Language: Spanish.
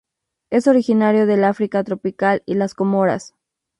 Es originario del África tropical y las Comoras.